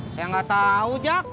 saya nggak tahu ajak